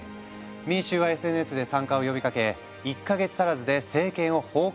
民衆はＳＮＳで参加を呼びかけ１か月足らずで政権を崩壊に追い込んだ。